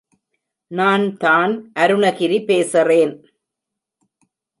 நான்தான் அருணகிரி பேசறேன்!